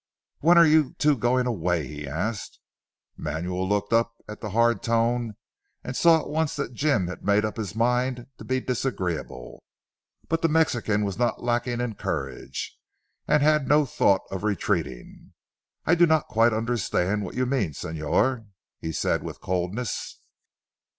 "When are you two going away?" he asked. Manuel looked up at the hard tone and saw at once that Jim had made up his mind to be disagreeable. But the Mexican was not lacking in courage and had no thought of retreating. "I do not quite understand what you mean Señor," he said with coldness.